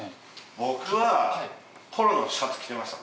僕はポロのシャツ着てました。